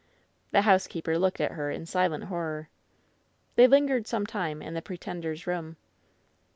The housekeeper looked at her in silent horror. They lingered some time in "the pretender's room.'